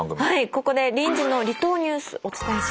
ここで臨時の離島ニュースお伝えします。